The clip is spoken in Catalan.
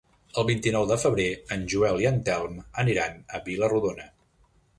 El vint-i-nou de febrer en Joel i en Telm aniran a Vila-rodona.